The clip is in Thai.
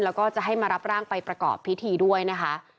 แล้วก็จะให้มารับร่างไปประกอบพิธีด้วยนะคะ